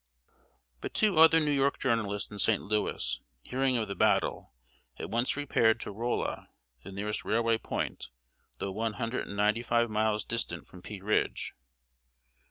] But two other New York journalists in St. Louis, hearing of the battle, at once repaired to Rolla, the nearest railway point, though one hundred and ninety five miles distant from Pea Ridge.